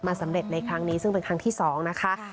สำเร็จในครั้งนี้ซึ่งเป็นครั้งที่๒นะคะ